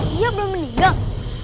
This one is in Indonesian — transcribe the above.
dia belum meninggal